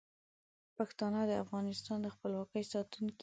پښتانه د افغانستان د خپلواکۍ ساتونکي دي.